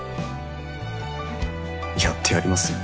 やってやりますよ。